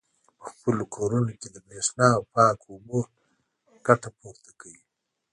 په خپلو کورونو کې له برېښنا او پاکو اوبو ګټه پورته کوي.